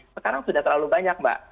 sekarang sudah terlalu banyak mbak